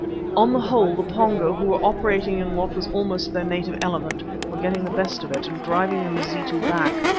On the whole the Pongo, who were operating in what was almost their native element, were getting the best of it, and driving the Mazitu back.